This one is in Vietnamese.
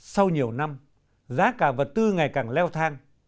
sau nhiều năm giá cả vật tư ngày càng leo thang